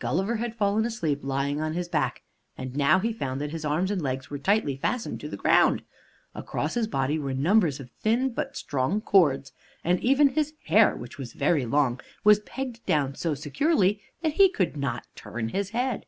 Gulliver had fallen asleep lying on his back, and now he found that his arms and legs were tightly fastened to the ground. Across his body were numbers of thin but strong cords, and even his hair, which was very long, was pegged down so securely that he could not turn his head.